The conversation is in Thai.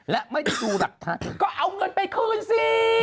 และไม่ได้ดูหลักฐานก็เอาเงินไปคืนสิ